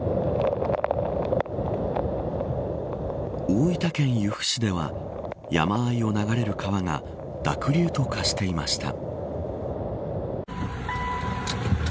大分県由布市では山あいを流れる川が濁流と化していました。